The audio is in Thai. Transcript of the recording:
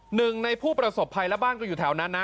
หนึ่งในผู้ประสบภัยและบ้านก็อยู่แถวนั้นนะ